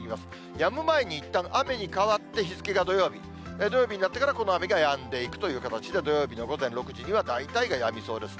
やむ前にいったん雨に変わって、日付が土曜日、土曜日になってからこの雨がやんでいくという形で、土曜日の午前６時には、大体がやみそうですね。